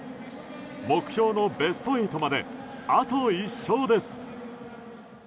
目標のベスト８まであと１勝です。